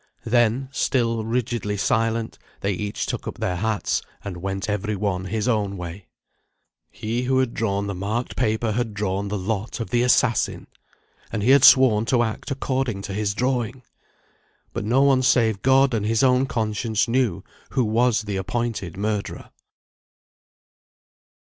Then, still rigidly silent, they each took up their hats and went every one his own way. He who had drawn the marked paper had drawn the lot of the assassin! and he had sworn to act according to his drawing! But no one save God and his own conscience knew who was the appointed murderer!